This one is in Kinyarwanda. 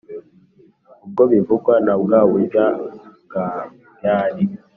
ubwo bivugwa na bwa burya bwa ryari